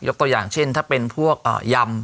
ตัวอย่างเช่นถ้าเป็นพวกยำ